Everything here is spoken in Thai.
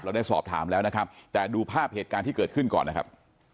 ได้สอบถามแล้วนะครับแต่ดูภาพเหตุการณ์ที่เกิดขึ้นก่อนนะครับ